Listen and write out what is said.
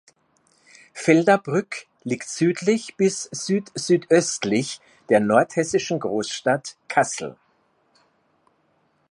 Fuldabrück liegt südlich bis südsüdöstlich der nordhessischen Großstadt Kassel.